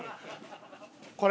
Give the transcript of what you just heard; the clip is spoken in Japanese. これ。